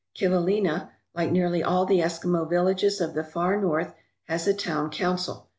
Kivalina, like nearly all the Eskimo villages of the Far North, has a town council.